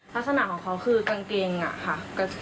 ลักษณะของเขาคือกางเกงอะค่ะ